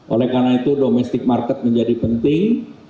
oleh karena itu domestic market menjadi penting